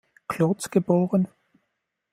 Klotz geb.